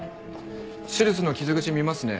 手術の傷口見ますね。